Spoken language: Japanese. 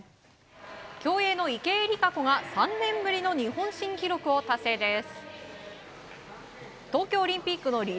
競泳の池江璃花子が３年ぶりの日本新記録を達成です。